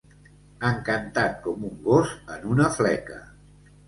Encantat com un gos en una fleca.